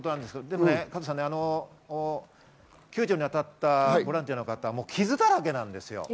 でも救助にあたったボランティアの方は傷だらけなんですよ。